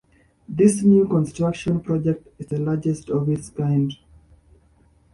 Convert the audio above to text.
This new construction project is the largest of its kind.